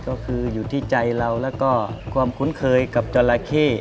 ก็คืออยู่ที่ใจเราแล้วก็ความคุ้นเคยกับจราเข้